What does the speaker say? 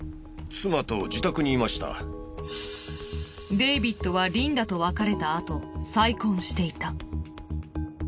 デイビッドはリンダと別れたあと再婚していた。